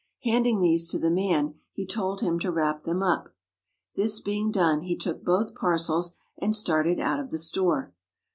Handing these to the man, he told him to wrap them up. This being done, he took both par cels and started out of the store.